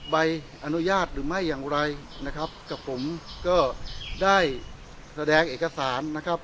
ใบอนุญาตหรือไม่อย่างไรนะครับกับผมก็ได้แสดงเอกสารนะครับ